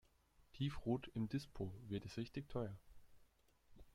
"Tiefrot im Dispo" wird es richtig teuer.